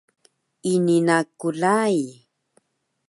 Ini na klai